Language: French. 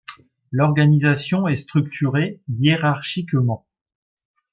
L'organisation est structurée hiérarchiquement.